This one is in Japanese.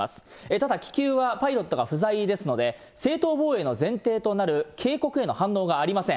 ただ気球はパイロットが不在ですので、正当防衛の前提となる警告への反応がありません。